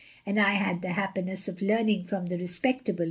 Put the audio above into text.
And I had the happiness of learning from the respectable M.